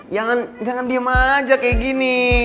jangan jangan diam aja kayak gini